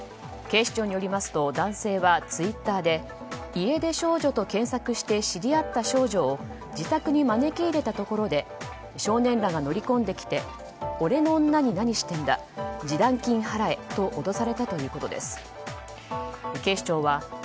警視庁によりますと男性はツイッターで家出少女と検索して知り合った少女を自宅に招き入れたところで少年らが乗り込んできて俺の女に何してんだ示談金払えと脅されたということです。